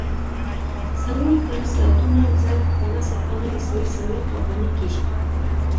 څلور کاري ساعتونه ضرب په لس افغانۍ مساوي څلوېښت افغانۍ کېږي